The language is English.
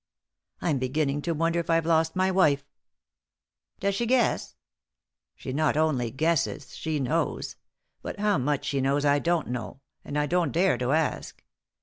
I'm beginning to wonder if I've lost my wife." " Does she guess ?" "She not only guesses, she knows; but how much she knows I don't know ; and I don't dare to ask.